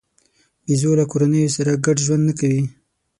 بیزو له کورنیو سره ګډ ژوند نه کوي.